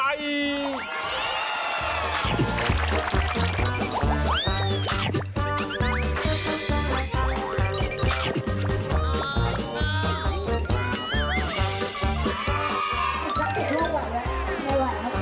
ไม่ไหวไม่ไหวไม่ไหว